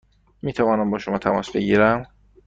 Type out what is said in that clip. می توانم با شما تماس بگیرم؟